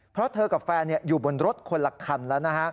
เพราะเธอกับแฟนอยู่บนรถคนละคันแล้วนะฮะ